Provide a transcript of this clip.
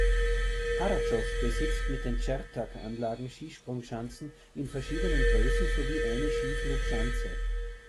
Harrachov besitzt mit den Čerťák-Anlagen Skisprungschanzen in verschiedenen Größen sowie eine Skiflugschanze.